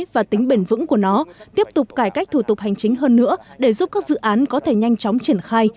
và tính bền vững của nó tiếp tục cải cách thủ tục hành chính hơn nữa để giúp các dự án có thể nhanh chóng triển khai